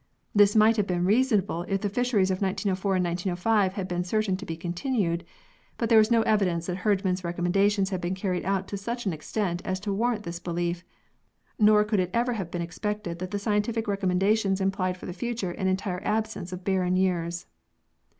This might have been reasonable if the fisheries of 1904 and 1905 had been certain to be continued ; but there was no evidence that Herdman's recommendations had been carried out to such an extent as to warrant this belief, nor could it ever have been expected that the scientific recommendations implied for the future an entire absence of barren years.